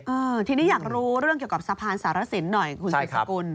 เออทีนี้อยากรู้เรื่องเกี่ยวกับสะพานสารสินหน่อยคุณสืบสกุล